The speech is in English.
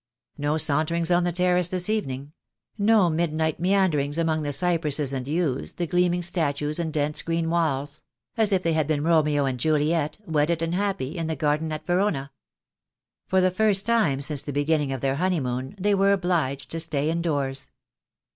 . No saunterings on the terrace this evening; no midnight meanderings among the cypresses and yews, the gleaming statues and dense green walls; as if they had been Romeo and Juliet, wedded and happy, in the garden at Verona. For the first time since the beginning of their honeymoon they were obliged to stay indoors.